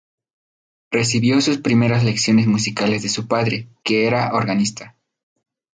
Recibió sus primeras lecciones musicales de su padre, que era organista.